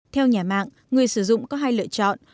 theo nhà mạng người sử dụng có hai lựa chọn